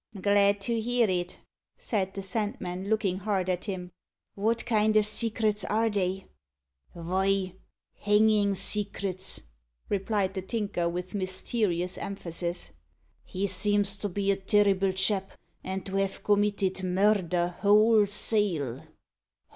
"Glad to hear it!" said the Sandman, looking hard at him. "Wot kind o' secrets are they?" "Vy, hangin' secrets," replied the Tinker, with mysterious emphasis. "He seems to be a terrible chap, and to have committed murder wholesale."